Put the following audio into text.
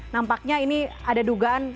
nampaknya ini ada dugaan